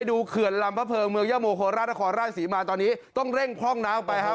เขื่อนลำพระเพิงเมืองยะโมโคราชนครราชศรีมาตอนนี้ต้องเร่งพร่องน้ำไปครับ